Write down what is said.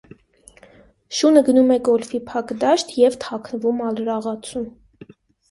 Շունը գնում է գոլֆի փակ դաշտ և թաքնվում ալրաղացում։